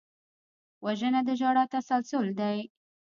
وژنه د ژړا تسلسل دی